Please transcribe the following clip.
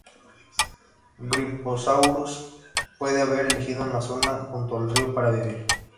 Gryposaurus puede haber elegido una zona junto al río para vivir.